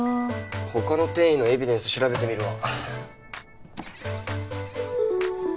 他の転移のエビデンス調べてみるわ。